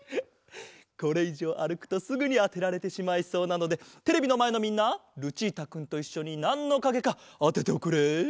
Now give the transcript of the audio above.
これいじょうあるくとすぐにあてられてしまいそうなのでテレビのまえのみんなルチータくんといっしょになんのかげかあてておくれ。